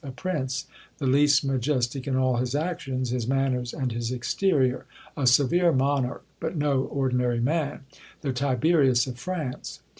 a prince the least majestic in all his actions, his manners, and his exterior a severe monarch, but no ordinary man, the Tiberius of France.